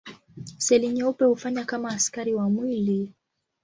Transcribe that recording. Seli nyeupe hufanya kama askari wa mwili.